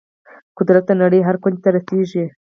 قدرت د نړۍ هر کونج ته رسیږي.